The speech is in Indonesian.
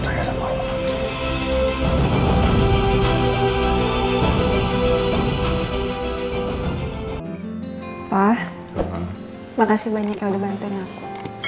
makasih banyak yang dibantuin aku